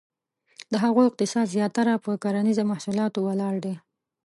د هغو اقتصاد زیاتره په کرنیزه محصولاتو ولاړ دی.